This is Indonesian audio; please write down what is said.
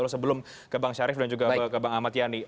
sebelum ke bang syarif dan juga ke bang amat yani